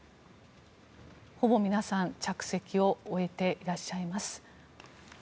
ほぼ皆さん着席を終えていらっしゃいます。